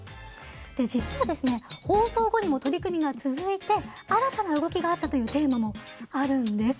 実は放送後にも取り組みが続いて新たな動きがあったというテーマもあるんです。